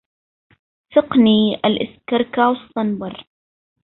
سقني الأسكركع الصنبر